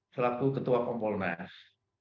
selaku ketua kompolnas